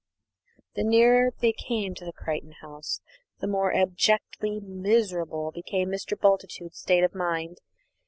The nearer they came to Crichton House the more abjectly miserable became Mr. Bultitude's state of mind.